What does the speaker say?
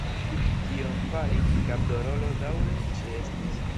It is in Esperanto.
Kion fari – kapdoloro daŭre ĉeestis.